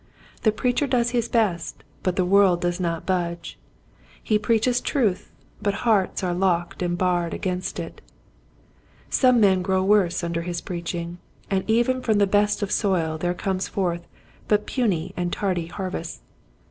The preacher does his best but the world does not budge. He preaches truth but hearts are locked and barred against it. Some men grow worse under his preaching, and even from the best of soil there come forth but puny and tardy harvests.